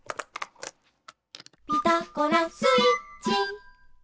「ピタゴラスイッチ」